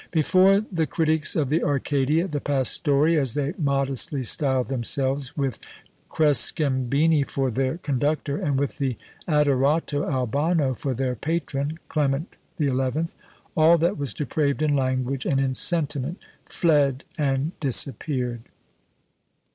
"Before the critics of the Arcadia (the pastori, as they modestly styled themselves) with Crescembini for their conductor, and with the Adorato Albano for their patron (Clement XI.), all that was depraved in language and in sentiment fled and disappeared."